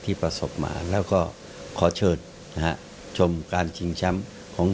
ประสบมาแล้วก็ขอเชิญนะฮะชมการชิงแชมป์ของ